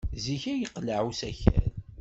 Zik ay yeqleɛ usakal.